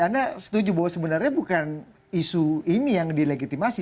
anda setuju bahwa sebenarnya bukan isu ini yang dilegitimasi